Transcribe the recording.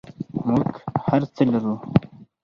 موږ هر څه لرو